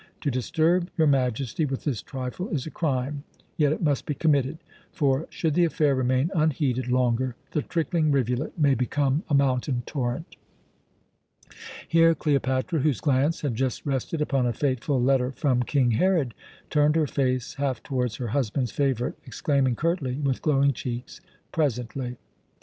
To disturb your Majesty with this trifle is a crime; yet it must be committed, for should the affair remain unheeded longer, the trickling rivulet may become a mountain torrent " Here Cleopatra, whose glance had just rested upon a fateful letter from King Herod, turned her face half towards her husband's favourite, exclaiming curtly, with glowing cheeks, "Presently."